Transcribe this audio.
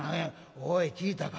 おい聞いたか？